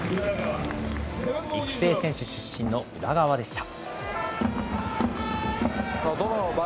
育成選手出身の宇田川でした。